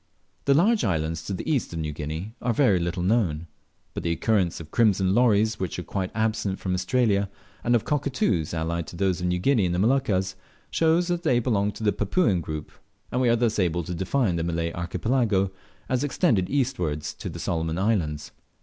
The large islands to the east of New Guinea are very little known, but the occurrence of crimson lories, which are quite absent from Australia, and of cockatoos allied to those of New Guinea and the Moluccas, shows that they belong to the Papuan group; and we are thus able to define the Malay Archipelago as extending eastward to the Solomon's Islands.